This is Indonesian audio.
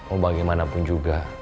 oh bagaimanapun juga